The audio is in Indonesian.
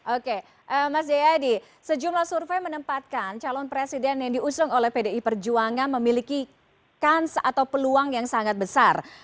oke mas jayadi sejumlah survei menempatkan calon presiden yang diusung oleh pdi perjuangan memiliki kans atau peluang yang sangat besar